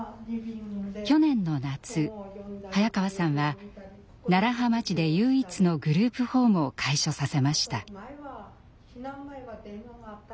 去年の夏早川さんは楢葉町で唯一のグループホームを開所させました。